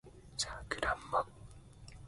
サクランボ